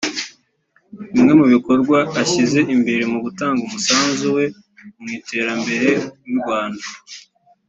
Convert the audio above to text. Bimwe mu bikorwa ashyize imbere mu gutanga umusanzu we mu iterambere ry’u Rwanda